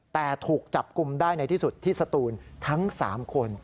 แต่ถูกจับกลุ่มได้ในที่สุดที่สตูนทั้ง๓คน